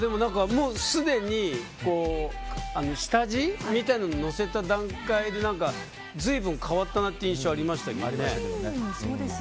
もうすでに下地みたいなののせた段階で随分変わったなって印象ありましたけどね。